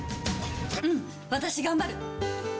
うん私頑張る。